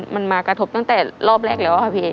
มันมากระทบตั้งแต่รอบแรกแล้วค่ะพี่